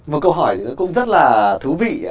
một câu hỏi cũng rất là thú vị